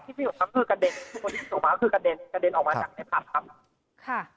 ที่พี่สองทั้งคือกระเด็นที่คนที่สองทั้งคือกระเด็นกระเด็นออกมาจากในผัดครับค่ะ